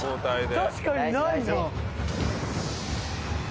確かにないなあ。